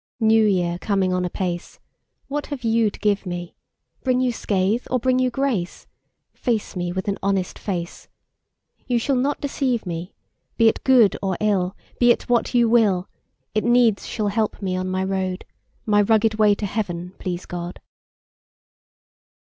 New Year coming on apace What have you to give me? Bring you scathe, or bring you grace, Face me with an honest face; You shall not deceive me: Be it good or ill, be it what you will, It needs shall help me on my road, My rugged way to heaven, please God.